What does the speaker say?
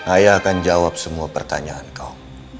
ayah akan jawab semua pertanyaan kau